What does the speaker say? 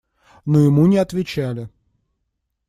Но ему не отвечали.